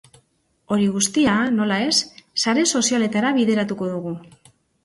Hori guztia, nola ez, sare sozialetara bideratuko dugu.